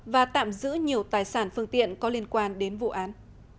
và tạm giữ nhiều tài sản phương tiện có liên quan đến vụ án